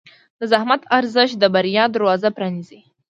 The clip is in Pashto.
د زحمت ارزښت د بریا دروازه پرانیزي.